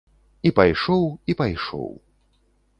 І пайшоў, і пайшоў.